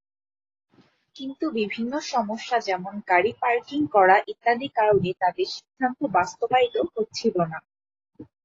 কিন্তু বিভিন্ন সমস্যা যেমন গাড়ি পার্কিং করা ইত্যাদি কারণে তাদের সিদ্ধান্ত বাস্তবায়িত হচ্ছিলো না।